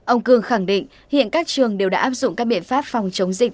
ông cương khẳng định hiện các trường đều đã áp dụng các biện pháp phòng chống dịch